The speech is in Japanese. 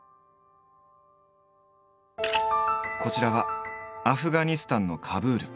こちらはアフガニスタンのカブール。